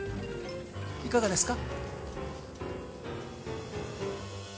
いかがですか？